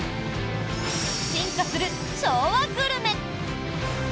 進化する昭和グルメ。